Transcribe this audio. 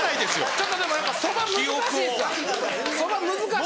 ちょっとでもやっぱそば難しいですわ。